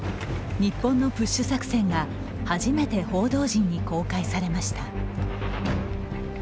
日本のプッシュ作戦が初めて報道陣に公開されました。